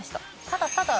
ただただ。